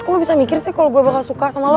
aku lo bisa mikir sih kalau gue bakal suka sama lo